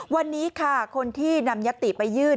วันนี้ค่ะคนที่นำยัตติไปยื่น